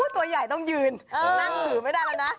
ตัวใหญ่ต้องยืนนั่งถือไม่ได้แล้วนะ